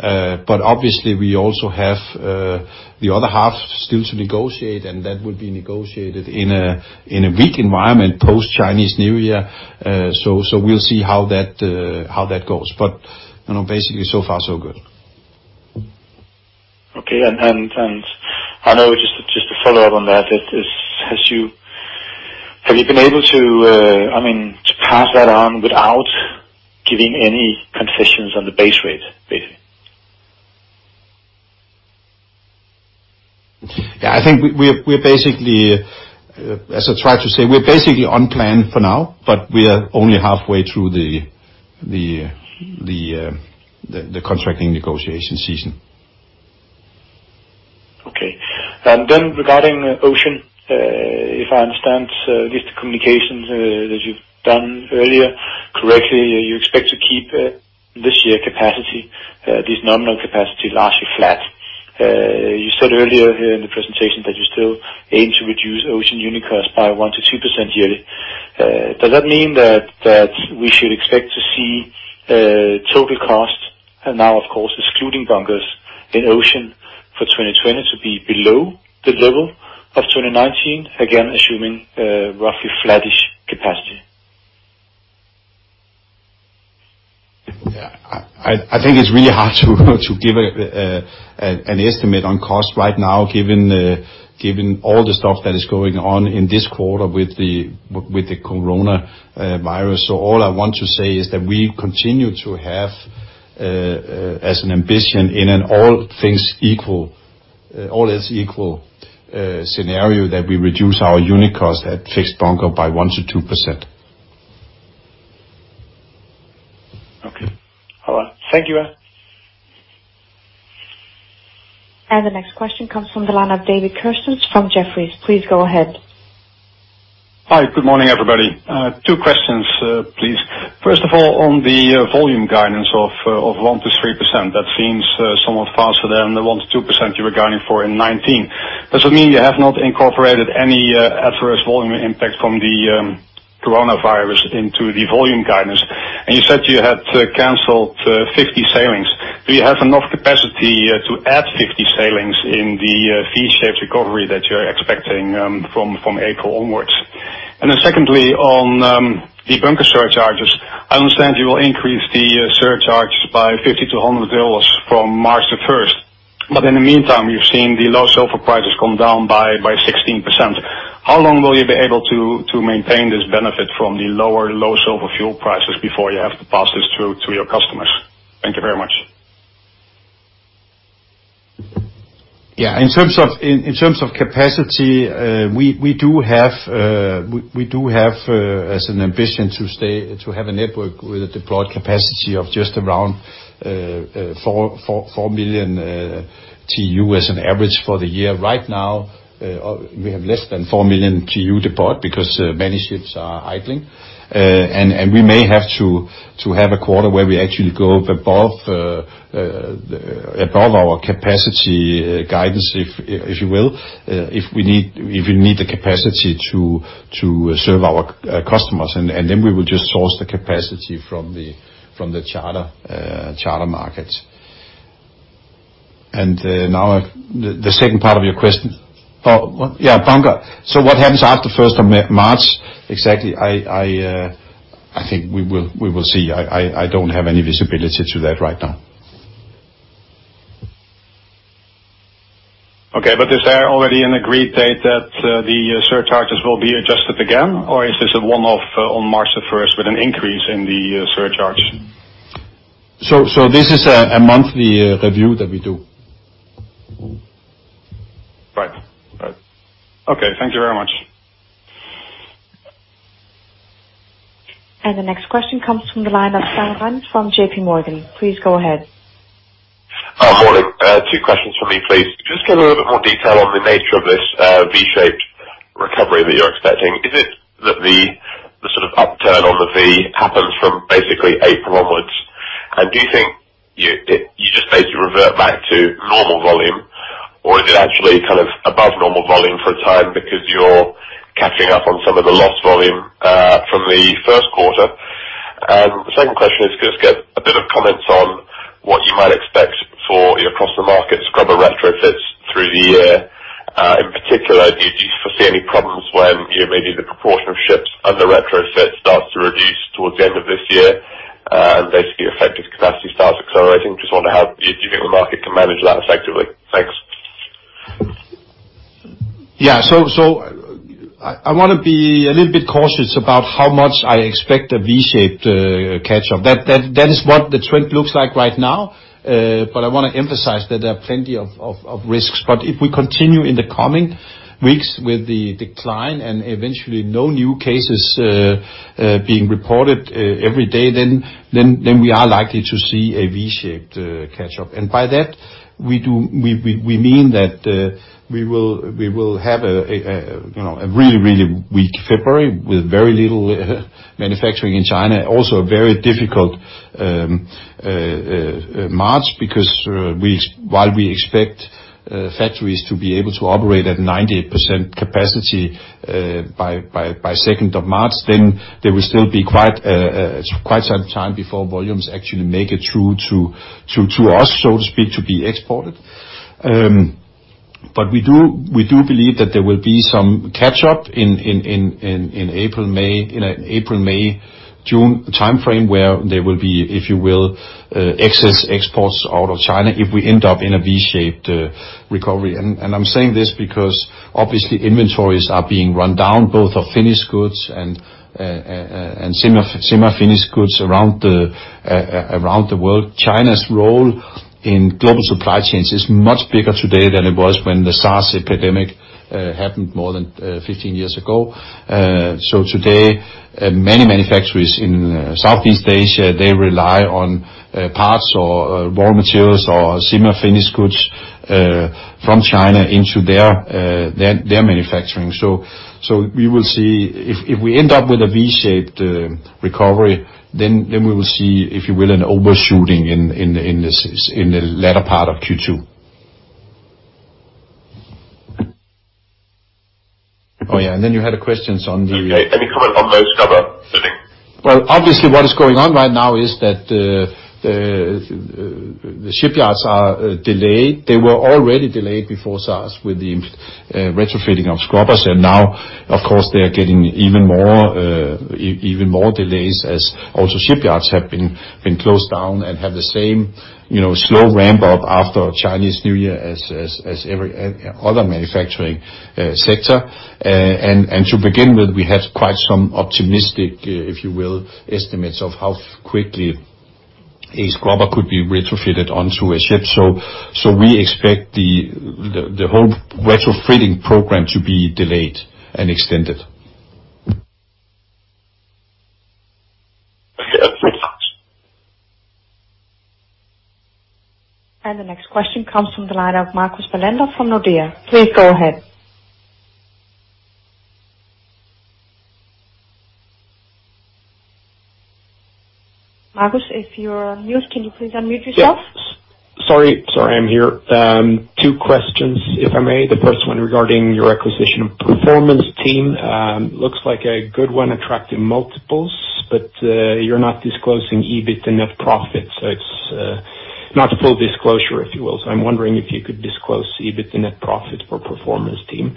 Obviously, we also have the other half still to negotiate, and that would be negotiated in a weak environment post-Chinese New Year. We'll see how that goes. Basically, so far so good. Okay. I know, just to follow up on that, have you been able to pass that on without giving any concessions on the base rate, basically? I think, as I tried to say, we're basically on plan for now, but we are only halfway through the contracting negotiation season. Okay. Then regarding Ocean, if I understand this, the communications that you've done earlier correctly, you expect to keep this year capacity, this nominal capacity, largely flat. You said earlier here in the presentation that you still aim to reduce Ocean unit costs by 1% to 2% yearly. Does that mean that we should expect to see total costs and now, of course, excluding bunkers in Ocean for 2020 to be below the level of 2019, again, assuming roughly flattish capacity? Yeah. I think it's really hard to give an estimate on cost right now, given all the stuff that is going on in this quarter with the coronavirus. All I want to say is that we continue to have, as an ambition in an all things equal scenario, that we reduce our unit cost at fixed bunker by 1% to 2%. Okay. All right. Thank you. The next question comes from the line of David Kerstens from Jefferies. Please go ahead. Hi, good morning, everybody. Two questions, please. First of all, on the volume guidance of 1% to 3%, that seems somewhat faster than the 1% to 2% you were guiding for in 2019. Does it mean you have not incorporated any adverse volume impact from the coronavirus into the volume guidance? You said you had to cancel 50 sailings. Do you have enough capacity to add 50 sailings in the V-shaped recovery that you're expecting from April onwards? Secondly, on the bunker surcharges, I understand you will increase the surcharges by $50 to $100 from March the 1. In the meantime, you've seen the low sulfur prices come down by 16%. How long will you be able to maintain this benefit from the lower low sulfur fuel prices before you have to pass this through to your customers? Thank you very much. Yeah. In terms of capacity, we do have as an ambition to have a network with a deployed capacity of just around 4 million TEU as an average for the year. Right now, we have less than 4 million TEU deployed because many ships are idling. We may have to have a quarter where we actually go above our capacity guidance, if you will, if we need the capacity to serve our customers. We will just source the capacity from the charter market. Now, the second part of your question. Oh, yeah, bunker. What happens after 1st of March exactly, I think we will see. I don't have any visibility to that right now. Okay. Is there already an agreed date that the surcharges will be adjusted again? Is this a one-off on March the 1 with an increase in the surcharge? This is a monthly review that we do. Right. Okay. Thank you very much. The next question comes from the line of Simon from J.P. Morgan. Please go ahead. Morning. Two questions from me, please. Could you just give a little bit more detail on the nature of this V-shaped recovery that you're expecting? Is it that the sort of upturn on the V happens from basically April onwards? Do you think you just basically revert back to normal volume, or is it actually above normal volume for a time because you're catching up on some of the lost volume from the first quarter? The second question is just get a bit of comment on what you might expect for across the market scrubber retrofits through the year. In particular, do you foresee any problems when maybe the proportion of ships under retrofit starts to reduce towards the end of this year, and basically effective capacity starts accelerating? Just wonder, do you think the market can manage that effectively? Thanks. I want to be a little bit cautious about how much I expect a V-shaped catch-up. That is what the trend looks like right now. I want to emphasize that there are plenty of risks. If we continue in the coming weeks with the decline and eventually no new cases being reported every day, then we are likely to see a V-shaped catch-up. By that, we mean that we will have a really weak February with very little manufacturing in China. A very difficult March because while we expect factories to be able to operate around 90% capacity by 2 of March, then there will still be quite some time before volumes actually make it through to us, so to speak, to be exported. We do believe that there will be some catch-up in April, May, June timeframe, where there will be, if you will, excess exports out of China if we end up in a V-shaped recovery. I'm saying this because obviously inventories are being run down, both of finished goods and semi-finished goods around the world. China's role in global supply chains is much bigger today than it was when the SARS epidemic happened more than 15 years ago. Today, many manufacturers in Southeast Asia, rely on parts or raw materials or semi-finished goods from China into their manufacturing. We will see if we end up with a V-shaped recovery, then we will see, if you will, an overshooting in the latter part of Q2. Oh, yeah. You had questions on the- Okay. Any comment on those scrubber fitting? Well, obviously, what is going on right now is that the shipyards are delayed. They were already delayed before COVID-19 with the retrofitting of scrubbers. Now, of course, they are getting even more delays, as also shipyards have been closed down and have the same slow ramp up after Chinese New Year as every other manufacturing sector. To begin with, we had quite some optimistic, if you will, estimates of how quickly a scrubber could be retrofitted onto a ship. We expect the whole retrofitting program to be delayed and extended. The next question comes from the line of Marcus Bellander from Nordea. Please go ahead. Marcus, if you're on mute, can you please unmute yourself? Yes. Sorry, I'm here. Two questions, if I may. The first one regarding your acquisition of Performance Team. Looks like a good one, attracting multiples, you're not disclosing EBIT and net profit. It's not full disclosure, if you will. I'm wondering if you could disclose EBIT and net profit for Performance Team.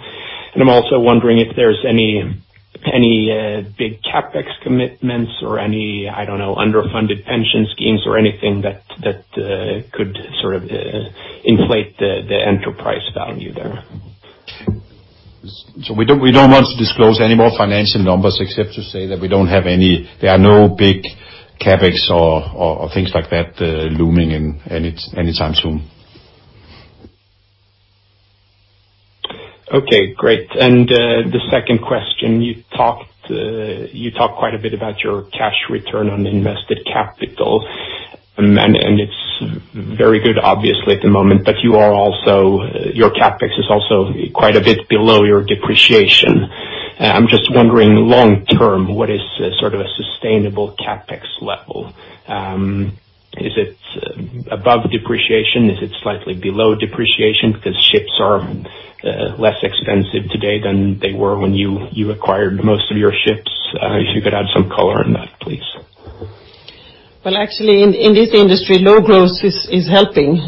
I'm also wondering if there's any big CapEx commitments or any, I don't know, underfunded pension schemes or anything that could sort of inflate the enterprise value there. We don't want to disclose any more financial numbers except to say that there are no big CapEx or things like that looming anytime soon. Okay, great. The second question, you talked quite a bit about your cash return on invested capital. It's very good, obviously, at the moment, but your CapEx is also quite a bit below your depreciation. I'm just wondering long term, what is sort of a sustainable CapEx level? Is it above depreciation? Is it slightly below depreciation because ships are less expensive today than they were when you acquired most of your ships? If you could add some color on that, please. Well, actually, in this industry, low growth is helping.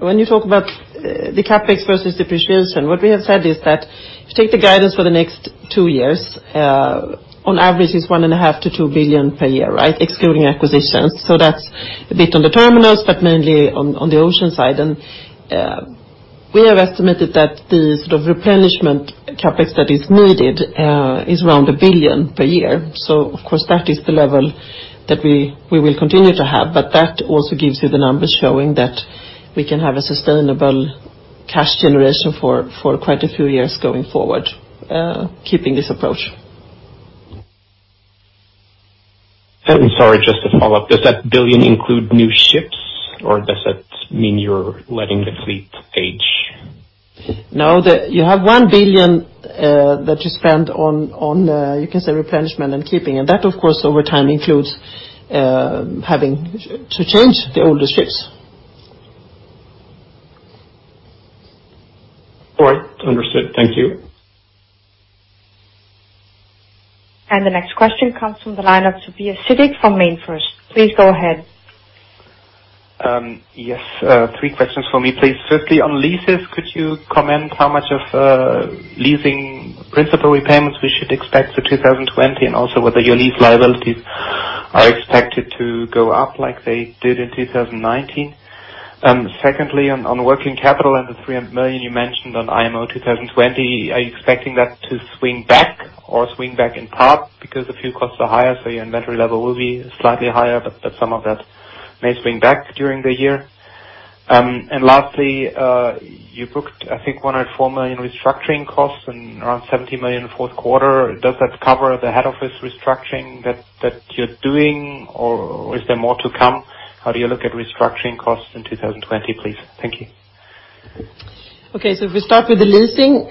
When you talk about the CapEx versus depreciation, what we have said is that if you take the guidance for the next two years, on average it's $1.5 billion to $2 billion per year, right, excluding acquisitions. That's a bit on the terminals, but mainly on the Ocean side. We have estimated that the sort of replenishment CapEx that is needed is around $1 billion per year. Of course, that is the level that we will continue to have, but that also gives you the numbers showing that we can have a sustainable cash generation for quite a few years going forward, keeping this approach. Sorry, just to follow up, does that $1 billion include new ships or does that mean you're letting the fleet age? No. You have $1 billion that you spend on, you can say replenishment and keeping, and that, of course, over time includes having to change the older ships. All right. Understood. Thank you. The next question comes from the line of Sathish Sivakumar from MainFirst. Please go ahead. Yes, three questions for me, please. Firstly, on leases, could you comment how much of leasing principal repayments we should expect for 2020, and also whether your lease liabilities are expected to go up like they did in 2019? Secondly, on working capital and the $300 million you mentioned on IMO 2020, are you expecting that to swing back or swing back in part because the fuel costs are higher, so your inventory level will be slightly higher, but some of that may swing back during the year? Lastly, you booked I think $104 million restructuring costs and around $70 million in the fourth quarter. Does that cover the head office restructuring that you're doing or is there more to come? How do you look at restructuring costs in 2020, please? Thank you. If we start with the leasing,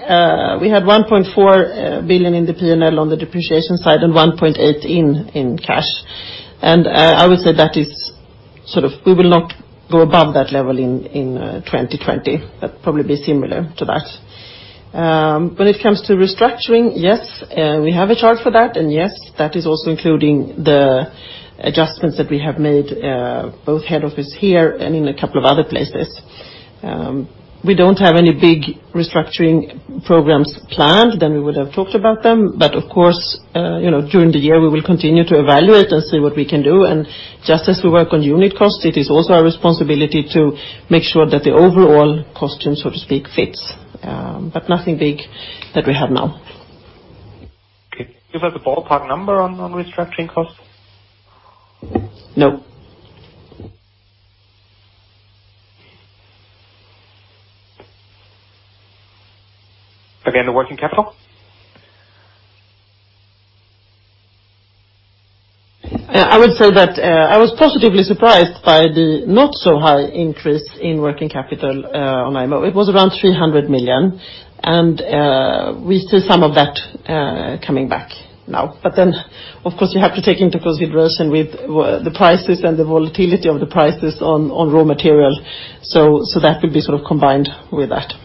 we had $1.4 billion in the P&L on the depreciation side and $1.8 in cash. I would say that we will not go above that level in 2020. That'd probably be similar to that. When it comes to restructuring, yes, we have a chart for that, and yes, that is also including the adjustments that we have made, both head office here and in a couple of other places. We don't have any big restructuring programs planned, then we would have talked about them. Of course, during the year, we will continue to evaluate and see what we can do. And just as we work on unit costs, it is also our responsibility to make sure that the overall costume, so to speak, fits. Nothing big that we have now. Okay. Do you have a ballpark number on restructuring costs? No. Again, the working capital? I would say that I was positively surprised by the not so high increase in working capital on IMO. It was around $300 million. We see some of that coming back now. Of course, you have to take into consideration with the prices and the volatility of the prices on raw material. That will be sort of combined with that.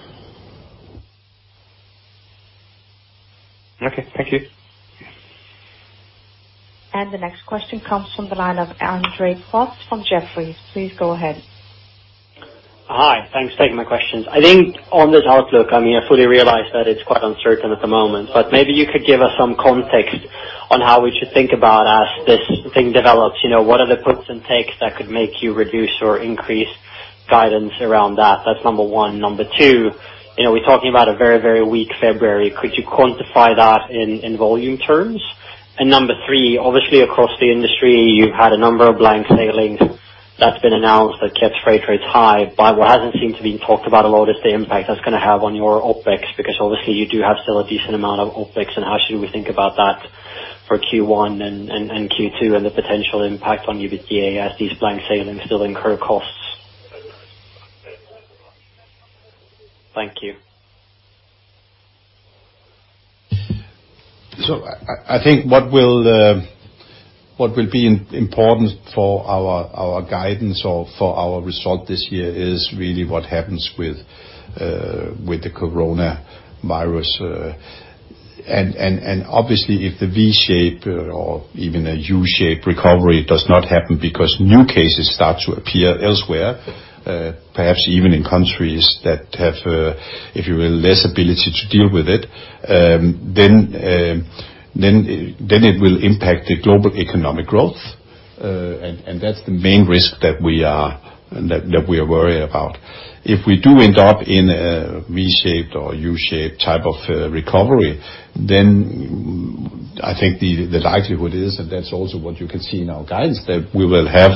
Okay, thank you. The next question comes from the line of Andre Lee Jefferies. Please go ahead. Hi, thanks for taking my questions. On this outlook, I fully realize that it's quite uncertain at the moment. Maybe you could give us some context on how we should think about as this thing develops. What are the puts and takes that could make you reduce or increase guidance around that? That's number one. Number two, we're talking about a very weak February. Could you quantify that in volume terms? Number three, obviously across the industry, you've had a number of blank sailings that's been announced that kept freight rates high. What hasn't seemed to been talked about a lot is the impact that's going to have on your OpEx, because obviously you do have still a decent amount of OpEx. How should we think about that for Q1 and Q2 and the potential impact on EBITDA as these blank sailings still incur costs? Thank you. I think what will be important for our guidance or for our result this year is really what happens with the coronavirus. Obviously, if the V shape or even a U shape recovery does not happen because new cases start to appear elsewhere, perhaps even in countries that have, if you will, less ability to deal with it, then it will impact the global economic growth. That's the main risk that we are worried about. If we do end up in a V shaped or U shaped type of recovery, then I think the likelihood is, and that's also what you can see in our guidance, that we will have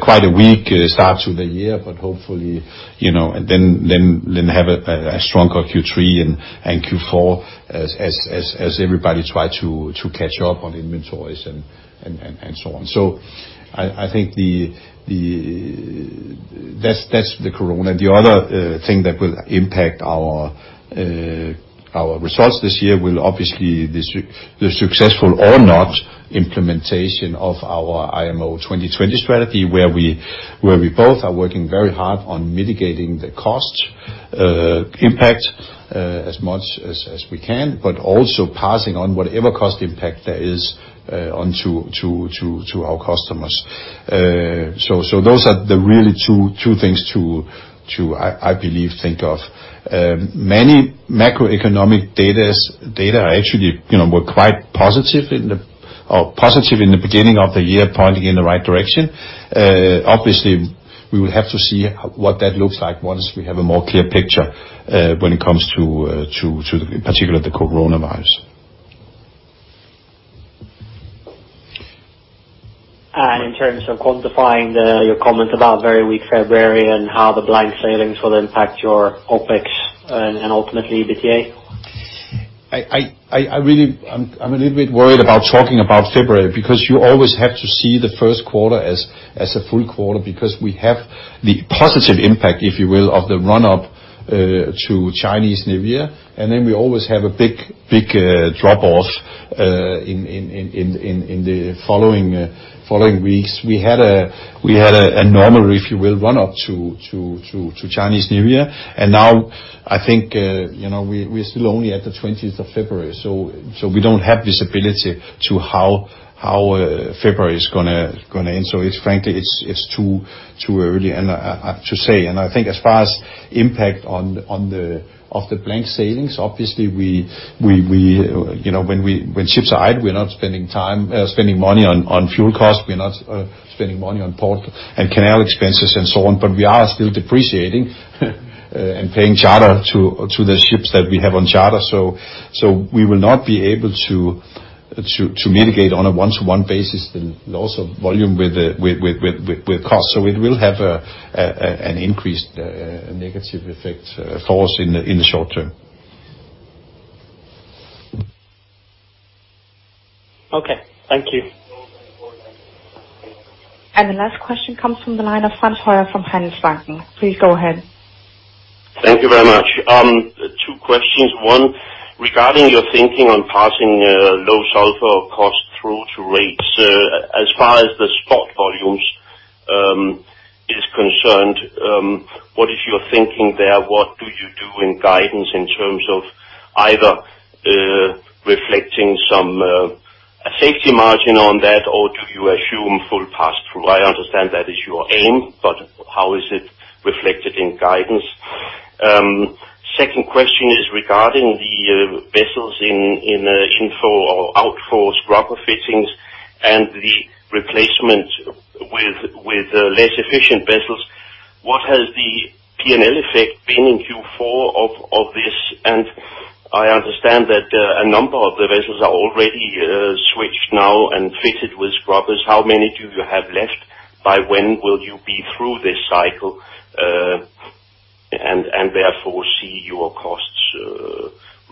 quite a weak start to the year. Hopefully, then have a stronger Q3 and Q4 as everybody try to catch up on inventories and so on. I think that's the corona. The other thing that will impact our results this year will obviously, the successful or not implementation of our IMO 2020 strategy, where we both are working very hard on mitigating the cost impact as much as we can, also passing on whatever cost impact there is onto our customers. Those are the really two things to, I believe, think of. Many macroeconomic data actually were quite positive in the beginning of the year, pointing in the right direction. Obviously, we will have to see what that looks like once we have a more clear picture when it comes to, in particular, the coronavirus. In terms of quantifying your comment about very weak February and how the blank sailings will impact your OpEx and ultimately EBITDA? I'm a little bit worried about talking about February, because you always have to see the first quarter as a full quarter because we have the positive impact, if you will, of the run-up to Chinese New Year. Then we always have a big drop-off in the following weeks. We had a normal, if you will, run-up to Chinese New Year. Now I think we're still only at the 20th of February, so we don't have visibility to how February is going to end. Frankly, it's too early to say. I think as far as impact of the blank sailings, obviously when ships are idle, we're not spending money on fuel costs. We're not spending money on port and canal expenses and so on. We are still depreciating and paying charter to the ships that we have on charter. We will not be able to mitigate on a one-to-one basis the loss of volume with cost. It will have an increased negative effect for us in the short term. Okay, thank you. The last question comes from the line of Frans Høyer from Handelsbanken. Please go ahead. Thank you very much. Two questions. One, regarding your thinking on passing low sulfur cost through to rates. As far as the Maersk Spot volumes is concerned, what is your thinking there? What do you do in guidance in terms of either reflecting some safety margin on that, or do you assume full pass through? I understand that is your aim. How is it reflected in guidance? Second question is regarding the vessels in or out of force scrubber fittings and the replacement with less efficient vessels. What has the P&L effect been in Q4 of this? I understand that a number of the vessels are already switched now and fitted with scrubbers. How many do you have left? By when will you be through this cycle, and therefore see your costs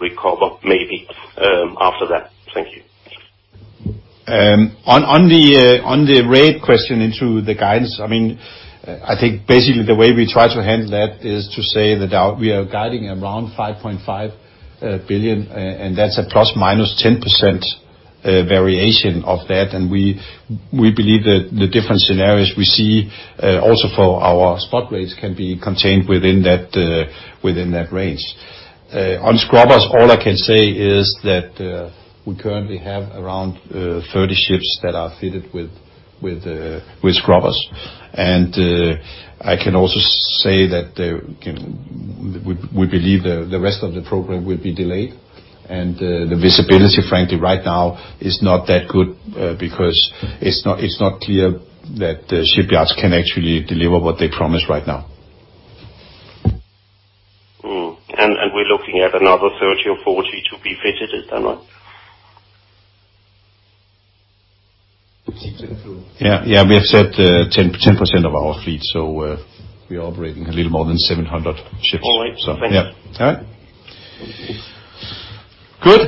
recover maybe after that? Thank you. On the rate question into the guidance, I think basically the way we try to handle that is to say that we are guiding around 5.5 billion, and that's a plus minus 10%. A variation of that, we believe that the different scenarios we see also for our spot rates can be contained within that range. On scrubbers, all I can say is that we currently have around 30 ships that are fitted with scrubbers. I can also say that we believe the rest of the program will be delayed and the visibility, frankly, right now is not that good because it's not clear that the shipyards can actually deliver what they promise right now. We're looking at another 30 or 40 to be fitted, is that right? Yeah. We have said 10% of our fleet. We are operating a little more than 700 ships. All right. Thank you. All right. Good.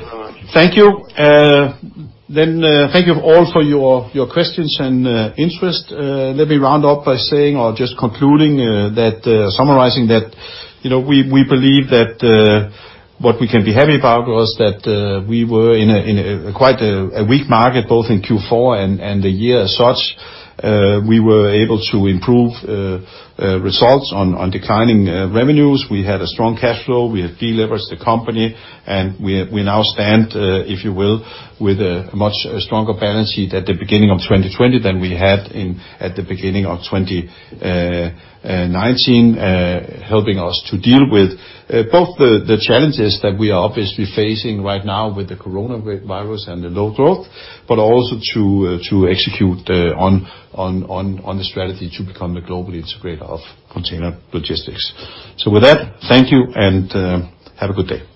Thank you. Thank you all for your questions and interest. Let me round up by saying or just concluding that summarizing that we believe that what we can be happy about was that we were in a quite a weak market, both in Q4 and the year as such. We were able to improve results on declining revenues. We had a strong cash flow. We have deleveraged the company, and we now stand, if you will, with a much stronger balance sheet at the beginning of 2020 than we had at the beginning of 2019, helping us to deal with both the challenges that we are obviously facing right now with the coronavirus and the low growth, but also to execute on the strategy to become the global integrator of container logistics. With that, thank you, and have a good day.